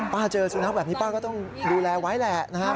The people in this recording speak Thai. เจอสุนัขแบบนี้ป้าก็ต้องดูแลไว้แหละนะครับ